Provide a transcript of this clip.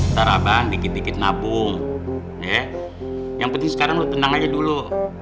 ntar abang dikit dikit nabung ya yang penting sekarang lo tenang aja dulu